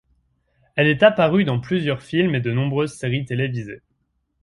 Elle est apparue dans plusieurs films et de nombreuses séries télévisées.